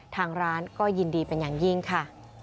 ทางร้านก็ยินดีเป็นอย่างยิ่งค่ะ